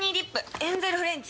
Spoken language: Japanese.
エンゼルフレンチ。